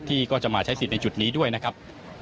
ก็จะมาใช้สิทธิ์ในจุดนี้ด้วยนะครับ